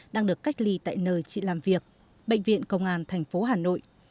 đang được cách ly tại nơi chị làm việc bệnh viện công an tp hà nội